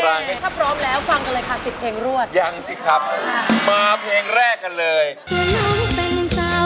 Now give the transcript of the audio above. ว้าวตอบ๘๓ตัวปลูกล้ำ